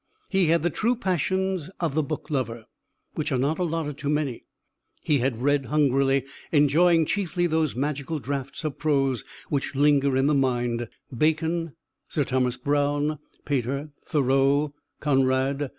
He had the true passions of the book lover, which are not allotted to many. He had read hungrily, enjoying chiefly those magical draughts of prose which linger in the mind: Bacon, Sir Thomas Browne, Pater, Thoreau, Conrad.